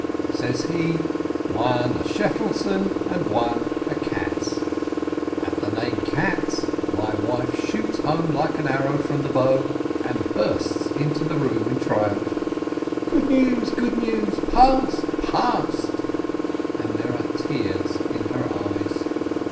Says he, "One a Shefselsohn and one a Katz." At the name Katz, my wife shoots home like an arrow from the bow, and bursts into the room in triumph: "Good news! good news! Passed, passed!" and there are tears in her eyes.